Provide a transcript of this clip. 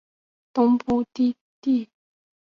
东部低地大猩猩是现存最大的灵长目动物。